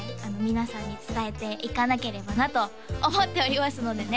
皆さんに伝えていかなければなと思っておりますのでね